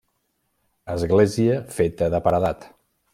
Església feta de paredat.